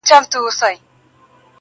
دا لومي د شیطان دي، وسوسې دي چي راځي!!